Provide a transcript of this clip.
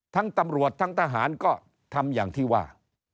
ทั้งตำรวจทั้งทหารก็ทำอย่างที่ว่า